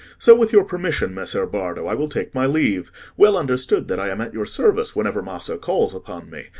So with your permission, Messer Bardo, I will take my leave—well understood that I am at your service whenever Maso calls upon me.